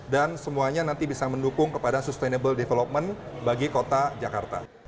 dan semuanya nanti bisa mendukung kepada sustainable development bagi kota jakarta